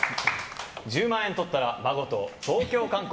１０万円とったら孫と東京観光。